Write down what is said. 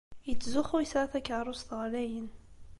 Yettzuxxu yesɛa takeṛṛust ɣlayen.